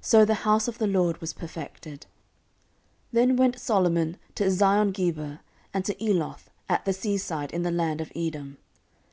So the house of the LORD was perfected. 14:008:017 Then went Solomon to Eziongeber, and to Eloth, at the sea side in the land of Edom.